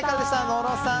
野呂さん